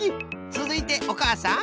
つづいておかあさん。